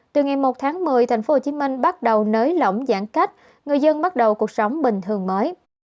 từ ngày một tháng một mươi tp hcm bắt đầu nới lỏng giãn cách người dân bắt đầu cuộc sống bình thường mới